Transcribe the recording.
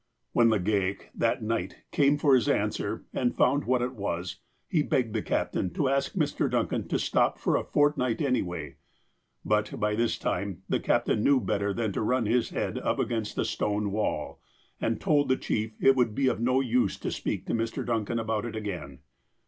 When Legale that night came for his answer, and found what it was, he begged the captain to ask Mr. Duncan to stop for a fortnight anyway. But, by this time, the cap tain knew better than to run his head up against a stone wall, and told the chief it would be of no use to speak to Mr. Duncan about it again.